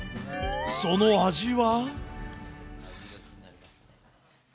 その味は？